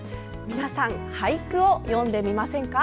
皆さん俳句を詠んでみませんか？